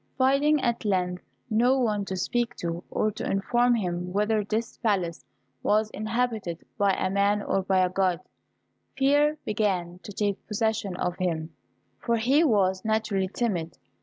Finding at length no one to speak to, or to inform him whether this palace was inhabited by a man or by a God, fear began to take possession of him, for he was naturally timid.